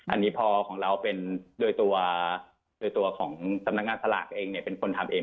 อันนี้พอของเราเป็นโดยตัวโดยตัวของสำนักงานสลากเองเป็นคนทำเอง